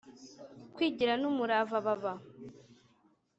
Kwigira N Umurava Baba